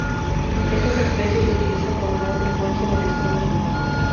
Estas especias se utilizan con menor frecuencia en el extremo sur.